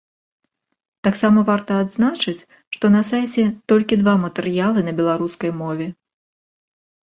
Таксама варта адзначыць, што на сайце толькі два матэрыялы на беларускай мове.